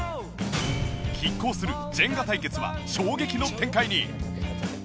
拮抗するジェンガ対決は衝撃の展開に！